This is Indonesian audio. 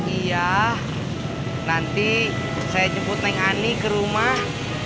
iya nanti saya jemput tank ani ke rumah